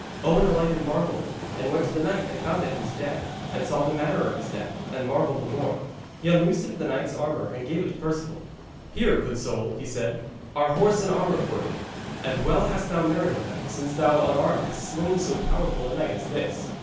Owen alighted marvelling, and went to the knight and found that he was dead, and saw the manner of his death, and marvelled the more. He unloosed the knight's armour and gave it to Perceval. 'Here, good soul,' he said, 'are horse and armour for thee. And well hast thou merited them, since thou unarmed hast slain so powerful a knight as this.'